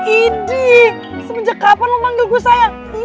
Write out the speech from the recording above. idi semenjak kapan lo manggil gue sayang